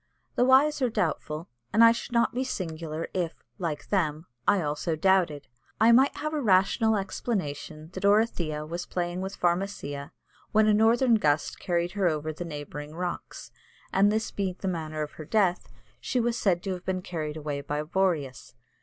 _ The wise are doubtful, and I should not be singular if, like them, I also doubted. I might have a rational explanation that Orithyia was playing with Pharmacia, when a northern gust carried her over the neighbouring rocks; and this being the manner of her death, she was said to have been carried away by Boreas.